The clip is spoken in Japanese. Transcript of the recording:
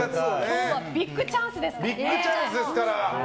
今日はビッグチャンスですからね。